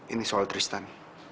ini soal tristan